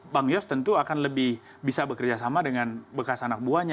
bang yos tentu akan lebih bisa bekerja sama dengan bekas anak buahnya